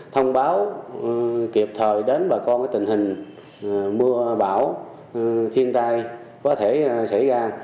thông báo kịp thời đến bà con tình hình mưa bão thiên tai có thể xảy ra